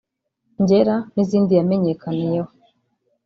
’Ngera’ n’izindi yamenyekaniyeho